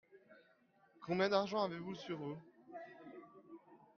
Combien d'argent avez-vous sur vous ?